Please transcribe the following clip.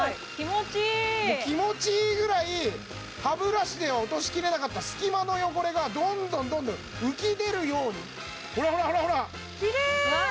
もう気持ちいいぐらい歯ブラシでは落としきれなかった隙間の汚れがどんどんどんどん浮き出るようにほらほらほら！キレイ！